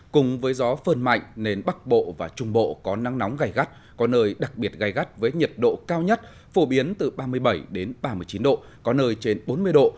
cùng với gió phơn mạnh nên bắc bộ và trung bộ có nắng nóng gai gắt có nơi đặc biệt gai gắt với nhiệt độ cao nhất phổ biến từ ba mươi bảy ba mươi chín độ có nơi trên bốn mươi độ